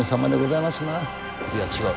いや違う。